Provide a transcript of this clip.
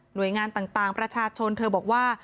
โดยงานต่างประชาชนเธอบอกว่า